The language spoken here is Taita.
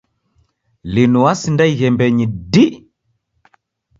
Linu wasinda ighembenyi dii.